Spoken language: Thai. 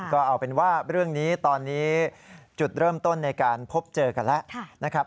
ก็เอาเป็นว่าเรื่องนี้ตอนนี้จุดเริ่มต้นในการพบเจอกันแล้วนะครับ